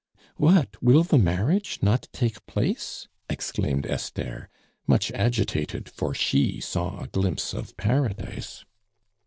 "What! will the marriage not take place?" exclaimed Esther, much agitated, for she saw a glimpse of Paradise.